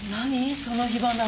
その火花。